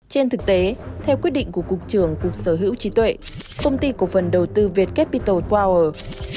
trên thực tế theo quyết định của cục trưởng cục sở hữu trí tuệ công ty cổ phần đầu tư việt capital power